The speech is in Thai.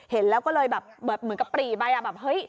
เห็นแล้วก็เลยแบบเหมือนกับปรีไปแบบเฮ้ย